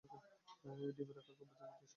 ডিমের আকার গম্বুজের মতো ও সাদাটে বর্নের।